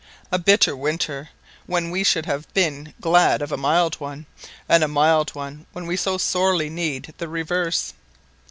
A bitter winter when we should have been glad of a mild one, and a mild one when we so sorely need the reverse.